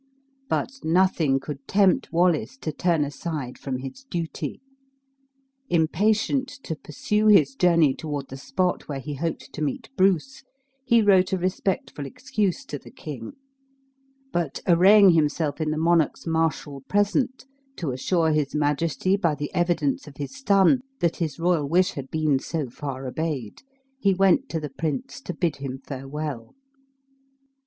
But nothing could tempt Wallace to turn aside from his duty. Impatient to pursue his journey toward the spot where he hoped to meet Bruce, he wrote a respectful excuse to the king; but arraying himself in the monarch's martial present (to assure his majesty by the evidence of his son that his royal wish had been so far obeyed), he went to the prince to bid him farewell.